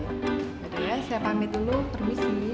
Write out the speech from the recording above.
ya saya pamit dulu permisi